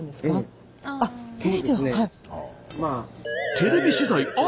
テレビ取材あり。